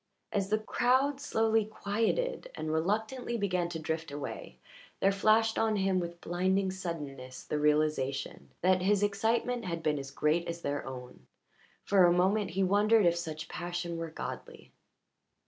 As the crowd slowly quieted and reluctantly began to drift away there flashed on him with blinding suddenness the realization that his excitement had been as great as their own; for a moment he wondered if such passion were godly.